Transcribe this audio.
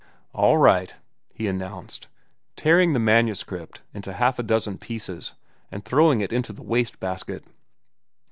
"All right," he announced, tearing the manuscript into half a dozen pieces and throwing it into the waste basket.